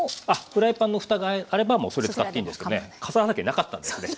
フライパンのふたがあればもうそれ使っていいんですけどね笠原家なかったんだよね。